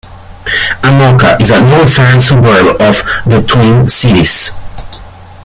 Anoka is a northern suburb of the Twin Cities.